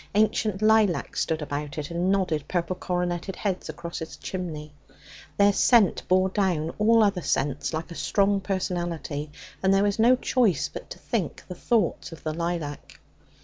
Ancient lilacs stood about it and nodded purple coroneted heads across its one chimney. Their scent bore down all other scents like a strong personality and there was no choice but to think the thoughts of the lilac.